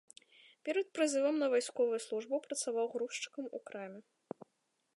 Перад прызывам на вайсковую службу працаваў грузчыкам у краме.